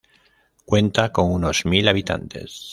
Cuenta con unos mil habitantes.